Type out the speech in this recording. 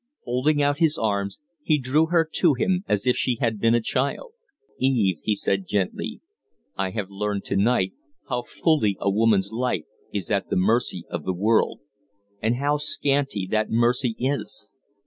Holding out his arms, he drew her to him as if she had been a child. "Eve," he said, gently, "I have learned to night how fully a woman's life is at the mercy of the world and how scanty that mercy is.